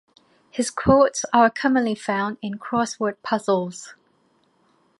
His quotes are commonly found in Crossword puzzles.